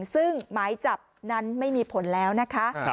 ซึ่งหมายจับนั้นไม่มีผลแล้วนะคะ